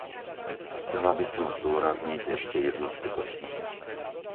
Chcela by som zdôrazniť ešte jednu skutočnosť.